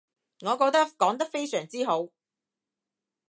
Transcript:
我覺得講得非常之好